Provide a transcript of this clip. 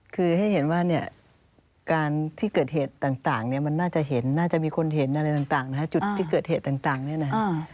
คือให้เห็นว่าเนี่ยการที่เกิดเหตุต่างเนี่ยมันน่าจะเห็นน่าจะมีคนเห็นอะไรต่างนะฮะจุดที่เกิดเหตุต่างเนี่ยนะฮะ